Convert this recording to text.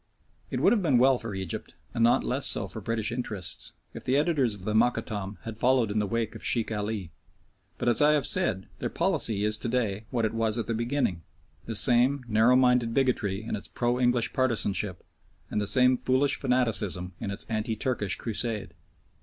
It would have been well for Egypt, and not less so for British interests, if the editors of the Mokattam had followed in the wake of Sheikh Ali, but, as I have said, their policy is to day what it was at the beginning, the same narrow minded bigotry in its pro English partisanship and the same foolish fanaticism in its anti Turkish crusade.